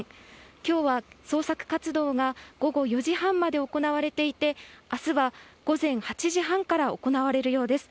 きょうは捜索活動が午後４時半まで行われていて、あすは午前８時半から行われるようです。